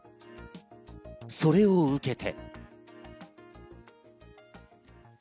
それを受けて。